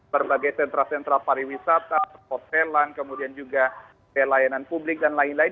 berbagai sentra sentra pariwisata hotelan kemudian juga layanan publik dan lain lain